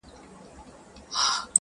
• پر تك سره پلـــنــگ؛